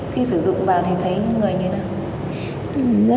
khi sử dụng vào thì thấy người như thế nào